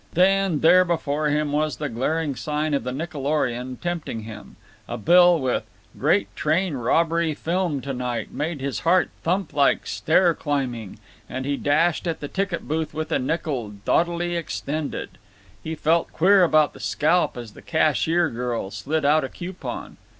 Then, there before him was the glaring sign of the Nickelorion tempting him; a bill with "Great Train Robbery Film Tonight" made his heart thump like stair climbing—and he dashed at the ticket booth with a nickel doughtily extended. He felt queer about the scalp as the cashier girl slid out a coupon.